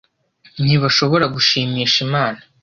ntibashobora gushimisha Imana